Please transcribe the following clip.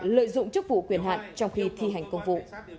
lợi dụng chức vụ quyền hạn trong khi thi hành công vụ